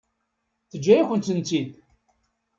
Teǧǧa-yakent-tent-id.